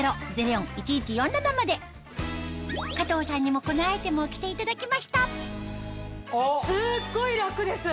加藤さんにもこのアイテムを着ていただきましたすっごい楽です！